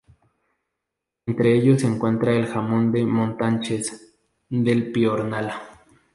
Entre ellos se encuentra el jamón de Montánchez, del Piornal.